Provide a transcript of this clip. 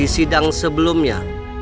ibu tidak akan mengikuti hal sebelumnya